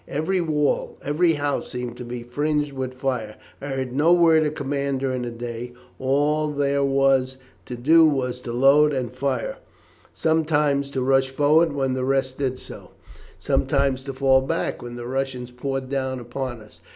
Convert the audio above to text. Every wall, every house seemed to be fringed with fire. I heard no word of command during the day; all there was to do was to load and fire sometimes to rush forward when the rest did so, sometimes to fall back when the Russians poured down upon us.